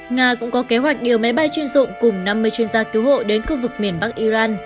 nga cũng có kế hoạch điều máy bay chuyên dụng cùng năm mươi chuyên gia cứu hộ đến khu vực miền bắc iran